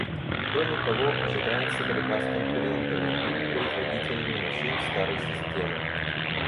Кроме того, ожидается борьба с конкурентами или производителями машин старой системы.